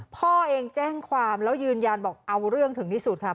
พ่อเองแจ้งความแล้วยืนยันบอกเอาเรื่องถึงที่สุดค่ะ